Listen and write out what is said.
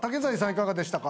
いかがでしたか？